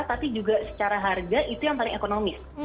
tapi juga secara harga itu yang paling ekonomis